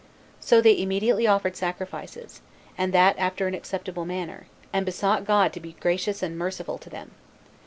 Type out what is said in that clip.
So they immediately offered sacrifices, and that after an acceptable manner, and besought God to be gracious and merciful to them.